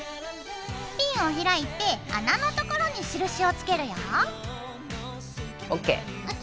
ピンを開いて穴のところに印をつけるよ。ＯＫ！ＯＫ！